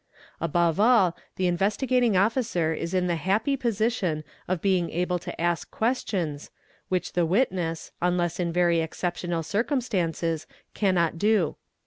Above all the Investigating Officer is in the happy oS of being able to ask questions, which the witness, unless in very exceptional circumstances, cannot do.